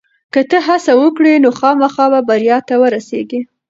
که ته هڅه وکړې نو خامخا به بریا ته ورسېږې.